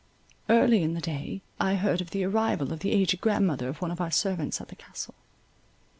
Early in the day, I heard of the arrival of the aged grandmother of one of our servants at the Castle.